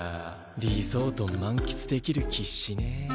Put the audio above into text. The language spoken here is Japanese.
リゾート満喫できる気しねえ。